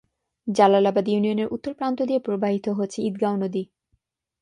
জালালাবাদ ইউনিয়নের উত্তর প্রান্ত দিয়ে প্রবাহিত হচ্ছে ঈদগাঁও নদী।